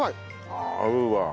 ああ合うわ。